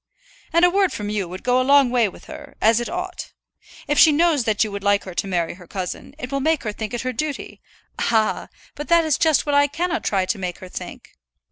"And a word from you would go a long way with her, as it ought. If she knows that you would like her to marry her cousin, it will make her think it her duty " "Ah! but that is just what I cannot try to make her think."